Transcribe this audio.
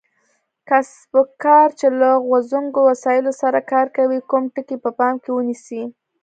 کسبګر چې له غوڅوونکو وسایلو سره کار کوي کوم ټکي په پام کې ونیسي؟